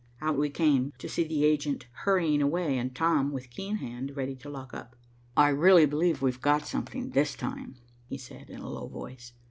Out we came, to see the agent hurrying away and Tom, with key in hand, ready to lock up. "I really believe we've got something, this time," he said, in a low voice.